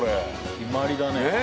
決まりだね。